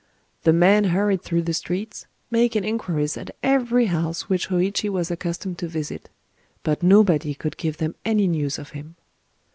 The men hurried through the streets, making inquiries at every house which Hōïchi was accustomed to visit; but nobody could give them any news of him.